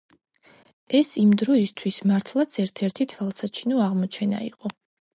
ეს იმდროისათვის მართლაც ერთ-ერთი თვალსაჩინო აღმოჩენა იყო.